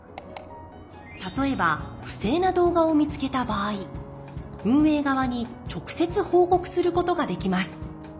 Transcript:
例えば不正な動画を見つけた場合運営側に直接報告することができます。